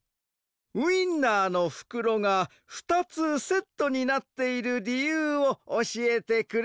ウインナーのふくろが２つセットになっているりゆうをおしえてくれ。